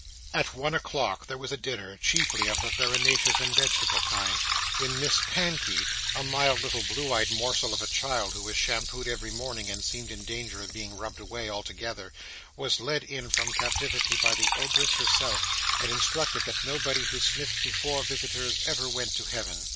At one o'clock there was a dinner, chiefly of the farinaceous and vegetable kind, when Miss Pankey (a mild little blue eyed morsel of a child, who was shampoo'd every morning, and seemed in danger of being rubbed away, altogether) was led in from captivity by the ogress herself, and instructed that nobody who sniffed before visitors ever went to Heaven.